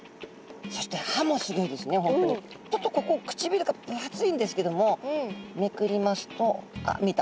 そしてちょっとここくちびるが分厚いんですけどもめくりますとあっ見えた。